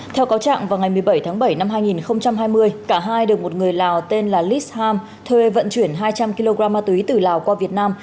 theo cáo trạng vào ngày một mươi bảy tháng bảy năm hai nghìn hai mươi cả hai được một người lào tên là lis ham thuê vận chuyển hai trăm linh kg ma túy từ lào qua việt nam